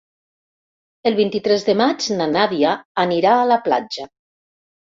El vint-i-tres de maig na Nàdia anirà a la platja.